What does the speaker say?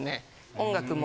音楽も。